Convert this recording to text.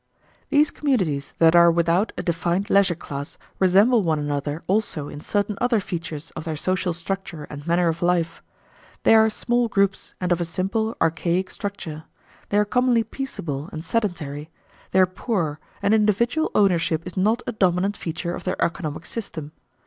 These communities that are without a defined leisure class resemble one another also in certain other features of their social structure and manner of life. They are small groups and of a simple (archaic) structure; they are commonly peaceable and sedentary; they are poor; and individual ownership is not a dominant feature of their economic system.